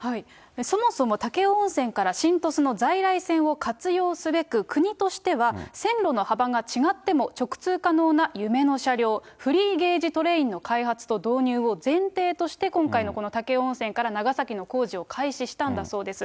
そもそも武雄温泉から新鳥栖の在来線を活用すべく国としては線路の幅が違っても直通可能な夢の車両、フリーゲージトレインの開発と導入を前提として、今回のこの武雄温泉から長崎の工事を開始したんだそうです。